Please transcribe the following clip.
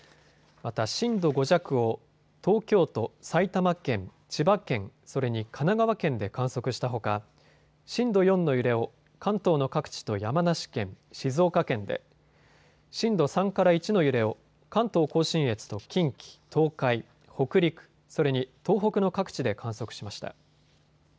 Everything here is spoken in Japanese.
また震度５弱を東京都、埼玉県、千葉県、それに神奈川県で観測したほか震度４の揺れを関東の各地と山梨県、静岡県で、震度３から１の揺れを関東甲信越と近畿、東海、北陸、それに東北の各地で観測しました。